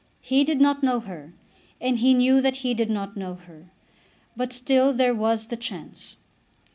He did not know her, and he knew that he did not know her; but still there was the chance.